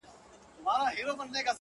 او نسلونه يې يادوي تل تل,